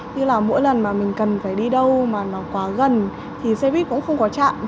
như là mỗi lần mà mình cần phải đi đâu mà nó quá gần thì xe buýt cũng không có trạm